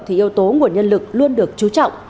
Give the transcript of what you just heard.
thì yếu tố nguồn nhân lực luôn được chú trọng